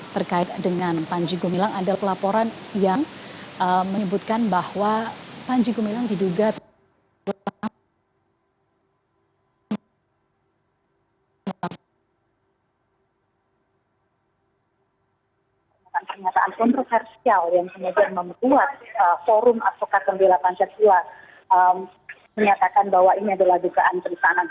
terkait dengan panji gumilang